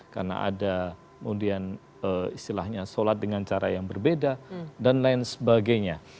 karena ada kemudian istilahnya sholat dengan cara yang berbeda dan lain sebagainya